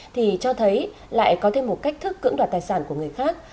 thì cho thấy lại có thêm một cách thức cưỡng đoạt tài sản của người khác